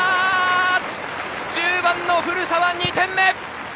１０番の古澤、２点目！